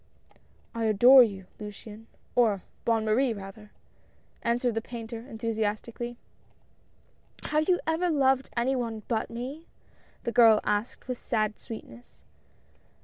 " I adore you, Luciane — or Bonne Marie rather I " answered the painter, enthusiastically. " Have you ever loved any one but me ?" the girl asked, with sad sweetness.